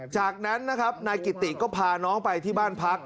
จากนั้นนะครับนายกิติก็พาน้องไปที่บ้านพัก